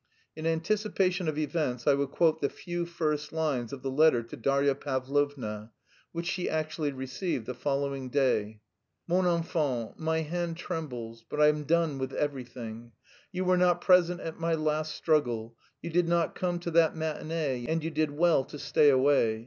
In anticipation of events I will quote the few first lines of the letter to Darya Pavlovna, which she actually received the following day: "Mon enfant, my hand trembles, but I've done with everything. You were not present at my last struggle: you did not come to that matinée, and you did well to stay away.